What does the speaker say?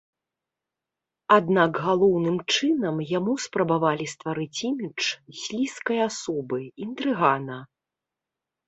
Аднак галоўным чынам яму спрабавалі стварыць імідж слізкай асобы, інтрыгана.